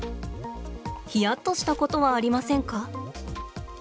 ヒヤッとしたことはありませんか？